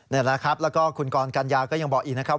นี่แหละครับแล้วก็คุณกรกัญญาก็ยังบอกอีกนะครับ